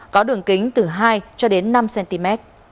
có đường kính từ hai cho đến năm cm